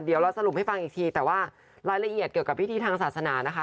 เดี๋ยวเราสรุปให้ฟังอีกทีแต่ว่ารายละเอียดเกี่ยวกับพิธีทางศาสนานะคะ